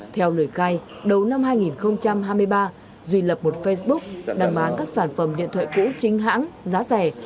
theo lời khai đầu năm hai nghìn hai mươi ba duy lập một facebook đang bán các sản phẩm điện thoại cũ chính hãng giá rẻ